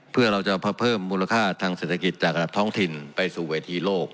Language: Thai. เพื่อเราจะเพิ่มมูลค่าทางเศรษฐกิจจากระดับท้องถิ่นไปสู่เวทีโลก